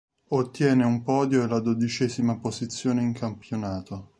Ottiene un podio e la dodicesima posizione in campionato.